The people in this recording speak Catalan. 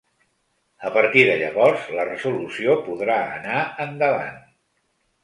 A partir de llavors, la resolució podrà anar endavant.